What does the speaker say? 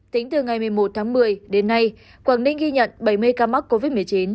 tính từ ngày một mươi một tháng một mươi đến nay quảng ninh ghi nhận bảy mươi ca mắc covid một mươi chín